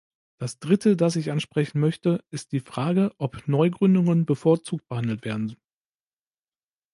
Das Dritte, das ich ansprechen möchte, ist die Frage, ob Neugründungen bevorzugt behandelt werden?